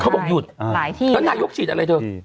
เขาบอกหยุดหลายที่ละนายุคฉีดอะไรเถอะ